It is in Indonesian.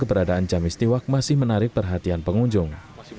keberadaan jam istiwa masih menarik perhatian pengunjung